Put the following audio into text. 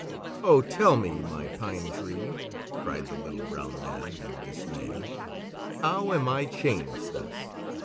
"Oh, tell me, my Pine Tree!" cried the Little Brown Man in dismay, "how am I changed thus?